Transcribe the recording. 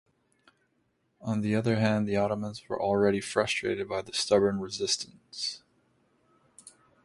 On the other hand, the Ottomans were already frustrated by the stubborn resistance.